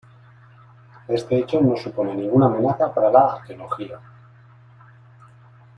Este hecho no supone ninguna amenaza para la arqueología.